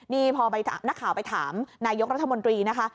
นี่พอนักข่าวไปถามนายกรัฐมนตรีนะคะ